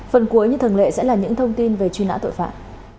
phần cuối như thường lệ sẽ là những thông tin về truy nã tội phạm